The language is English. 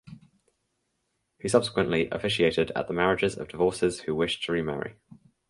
He subsequently officiated at the marriages of divorcees who wished to remarry.